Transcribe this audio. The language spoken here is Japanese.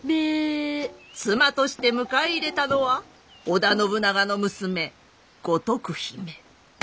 妻として迎え入れたのは織田信長の娘五徳姫。